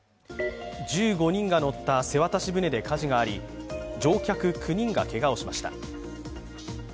１５人が乗った瀬渡し船で火事があり、乗客９人が、けがをしました。